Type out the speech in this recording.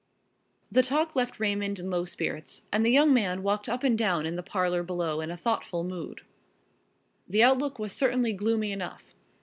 The talk left Raymond in low spirits and the young man walked up and down in the parlor below in a thoughtful mood. The outlook was certainly gloomy enough.